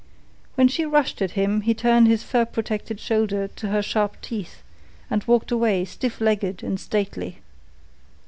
When she rushed at him he turned his fur protected shoulder to her sharp teeth and walked away stiff legged and stately.